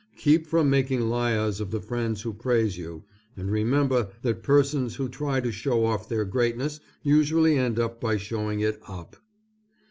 Keep from making liars of the friends who praise you, and remember that persons who try to show off their greatness usually end by showing it up.